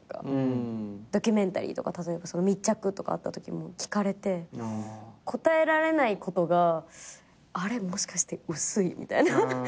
ドキュメンタリーとか例えば密着とかあったときも聞かれて答えられないことがもしかして薄い？みたいな。